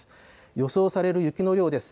予想される雪の量です。